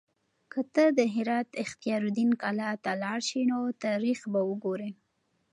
که ته د هرات اختیار الدین کلا ته لاړ شې نو تاریخ به وګورې.